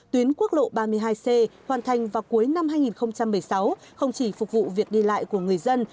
tuyến quốc lộ ba mươi hai c hoàn thành vào cuối năm hai nghìn một mươi sáu không chỉ phục vụ việc đi lại của người dân